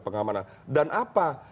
pengamanan dan apa